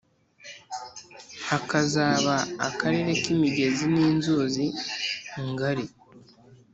hakazaba akarere k’imigezi n’inzuzi ngari;